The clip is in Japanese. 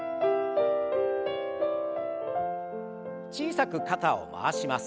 小さく肩を回します。